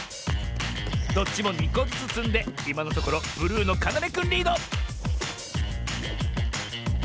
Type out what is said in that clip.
⁉どっちも２こずつつんでいまのところブルーのかなめくんリード！